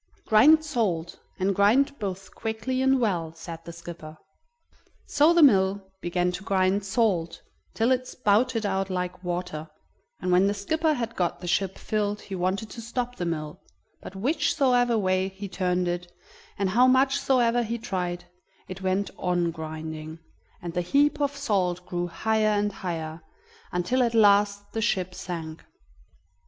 "Grind salt, and grind both quickly and well," said the skipper. So the mill began to grind salt, till it spouted out like water, and when the skipper had got the ship filled he wanted to stop the mill, but whichsoever way he turned it, and how much soever he tried, it went on grinding, and the heap of salt grew higher and higher, until at last the ship sank.